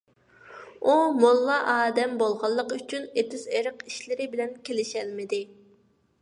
ئۇ موللا ئادەم بولغانلىقى ئۈچۈن، ئېتىز - ئېرىق ئىشلىرى بىلەن كېلىشەلمىدى.